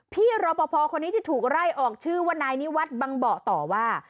พี่รอบพอพอคนนี้ที่ถูกไหล่ออกชื่อว่านายนิวัตรบั้งบ่อต่อว่า